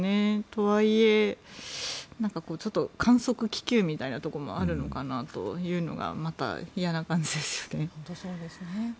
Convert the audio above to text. とはいえ観測気球みたいなところもあるのかなというのがまた嫌な感じですよね。